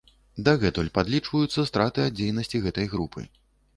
Дагэтуль падлічваюцца страты ад дзейнасці гэтай групы.